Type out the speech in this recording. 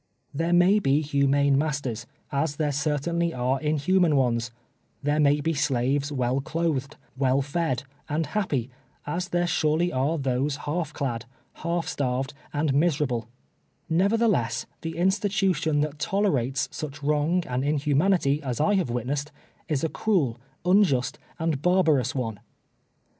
There may be humane masters, as there certainly are inhuman ones — there may be slaves well clothed, well fed, and happy, as there surely are those half clad, half starved and miserable ; nevertheless, the institution that tolerates such wrong and inhumanity as I have M'itnessed, is a cruel, unjust, and barbarous one.